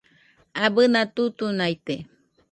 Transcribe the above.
Abɨna tutunaite